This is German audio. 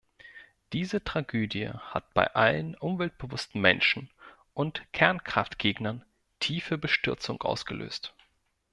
Diese Tragödie hat bei allen umweltbewussten Menschen und Kernkraftgegnern tiefe Bestürzung ausgelöst.